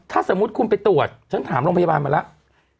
ถ้าสมมุติคุณไปตรวจฉันถามโรงพยาบาลมาแล้ว